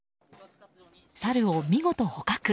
サルを見事捕獲。